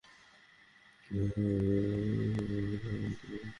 এর চেয়ে ব্যর্থতা আর কি হতে পারে যে, তোমরা মুসলমানদের পরাস্ত করতে পারনি।